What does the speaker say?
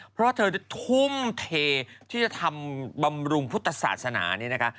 เพราะเธอทุ่มเทที่จะทำบำรุงพุทธศาสนานี่นะคะ